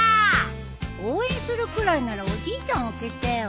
応援するくらいならおじいちゃん開けてよ。